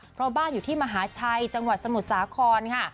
เพราะบ้านอยู่ที่มหาชัยจังหวัดสมุทรสาครค่ะ